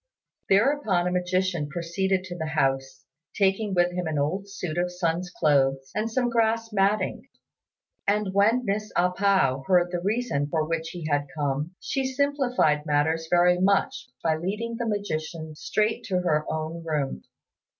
Thereupon a magician proceeded to the house, taking with him an old suit of Sun's clothes and some grass matting; and when Miss A pao heard the reason for which he had come, she simplified matters very much by leading the magician straight to her own room.